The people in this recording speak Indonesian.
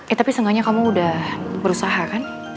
eh tapi seenggaknya kamu udah berusaha kan